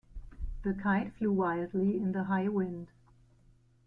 The kite flew wildly in the high wind.